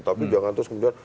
tapi jangan terus kemudian